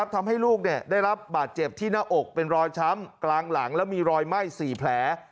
ทำให้ลูกได้รับบาดเจ็บที่หน้าอกเป็นรอยช้ำกลางหลังแล้วมีรอยไหม้๔แผล